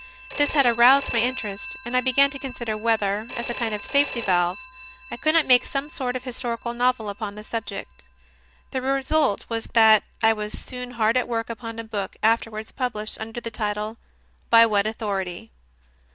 This had aroused my interest, and I began to consider whether, as a kind of safety valve, I could not make some sort of historical novel upon the subject. The result was that I was soon hard at work upon a book, afterwards published under the title, "By What Authority?"